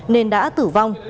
nên đã tử vong